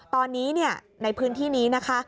ตอนนี้ในพื้นที่นี้นะคะ